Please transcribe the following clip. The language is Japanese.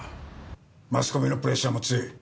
マスコミのプレッシャーも強い。